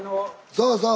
そうそう。